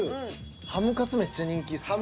ハムカツめっちゃ人気ですよね。